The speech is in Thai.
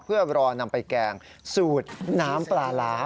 เพื่อรอนำไปแกงสูตรน้ำปลาร้า